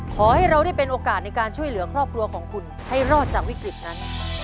ขอให้เราได้เป็นโอกาสในการช่วยเหลือครอบครัวของคุณให้รอดจากวิกฤตนั้น